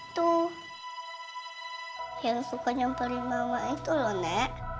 tuh yang suka nyamperin mama itu loh nek